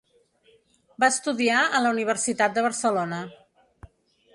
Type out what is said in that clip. Va estudiar a la Universitat de Barcelona.